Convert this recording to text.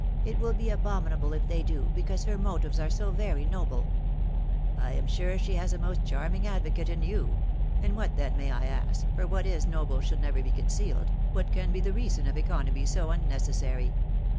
~ at will be atyominsMe if they >4o, 'because her motives are so very noble." "? am wire she>has a «mo< charming advocate in you. ... And what, 'then, may I »ask .., .for what iis noble should never be concealed .... what can be the reason of economy so unnecessary?